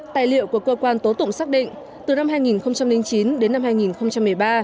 tài liệu của cơ quan tố tụng xác định từ năm hai nghìn chín đến năm hai nghìn một mươi ba